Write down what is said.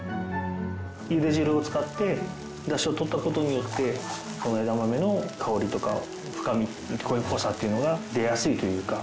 ゆで汁を使って出汁を取った事によってこの枝豆の香りとか深みこういう濃さっていうのが出やすいというか。